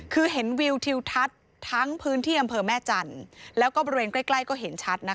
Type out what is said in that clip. คือเห็นวิวทิวทัศน์ทั้งพื้นที่อำเภอแม่จันทร์แล้วก็บริเวณใกล้ก็เห็นชัดนะคะ